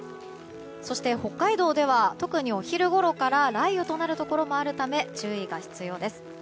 そして、北海道では特にお昼ごろから雷雨となるところもあるため注意が必要です。